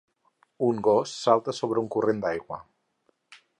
Un gos salta sobre un corrent d'aigua.